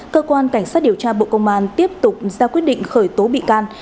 cơ quan cảnh sát điều tra bộ công an tiếp tục ra quyết định khởi tố bị can